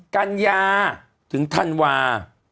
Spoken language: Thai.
กันยาถึงท่านวา